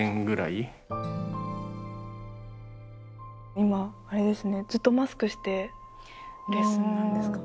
今あれですねずっとマスクしてレッスンなんですか？